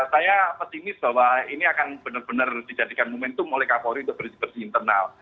saya pesimis bahwa ini akan benar benar dijadikan momentum oleh kapolri untuk bersih bersih internal